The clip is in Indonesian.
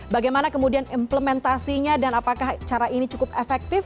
bagaimana kemudian implementasinya dan apakah cara ini cukup efektif